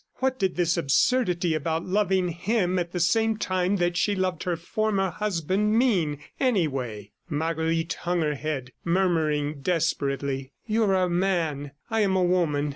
... What did this absurdity about loving him at the same time that she loved her former husband mean, anyway? Marguerite hung her head, murmuring desperately: "You are a man, I am a woman.